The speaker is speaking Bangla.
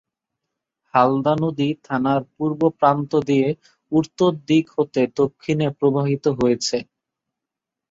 হালদা নদী থানার পুর্ব প্রান্ত দিয়ে উত্তর দিক হতে দক্ষিণে প্রবাহিত হয়েছে।